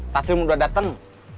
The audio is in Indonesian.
taslim udah dateng